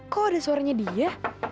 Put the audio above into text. kok ada suaranya dia